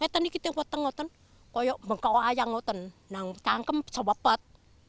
ini kita buat tengokan kayak mengkau ayam nangkang kem sepet